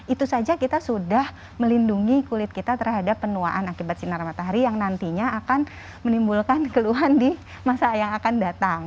itu saja kita sudah melindungi kulit kita terhadap penuaan akibat sinar matahari yang nantinya akan menimbulkan keluhan di masa yang akan datang